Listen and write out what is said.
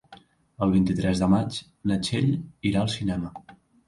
El vint-i-tres de maig na Txell irà al cinema.